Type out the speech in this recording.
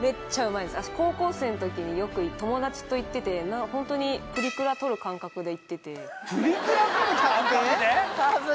私高校生の時によく友達と行っててホントにプリクラ撮る感覚で行っててプリクラ撮る感覚で？